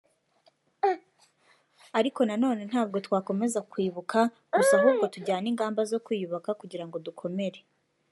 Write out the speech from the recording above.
ariko nanone ntabwo twakomeza kwibuka gusa ahubwo tujyane ingamba zo kwiyubaka kugira ngo dukomere